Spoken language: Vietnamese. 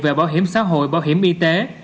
về bảo hiểm xã hội bảo hiểm y tế